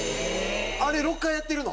あれ６回やってるの？